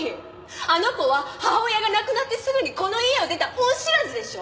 あの子は母親が亡くなってすぐにこの家を出た恩知らずでしょ